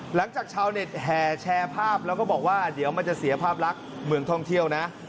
หลังจากชาวเน็ตแห่แชร์ภาพแล้วก็บอกว่าเดี๋ยวมันจะเสียภาพลักษณ์เมืองท่องเที่ยวนะ